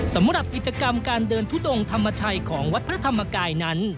สำหรับกิจกรรมการเดินทุดงธรรมชัยของวัดพระธรรมกายนั้น